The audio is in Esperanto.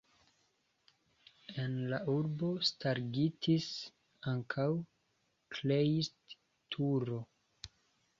En la urbo starigitis ankaŭ Kleist-turo.